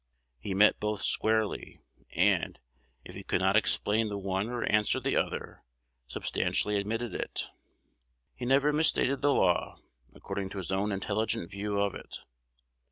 He met both squarely, and, if he could not explain the one or answer the other, substantially admitted it. He never misstated the law, according to his own intelligent view of it.